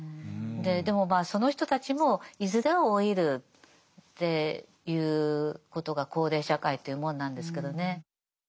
でもまあその人たちもいずれは老いるっていうことが高齢社会というもんなんですけどね。